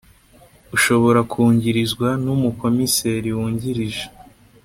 ushobora kungirizwa n umukomiseri wungirije